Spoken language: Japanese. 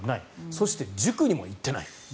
そして、塾にも行っていない。